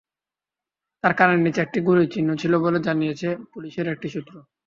তাঁর কানের নিচে একটি গুলির চিহ্ন ছিল বলে জানিয়েছে পুলিশের একটি সূত্র।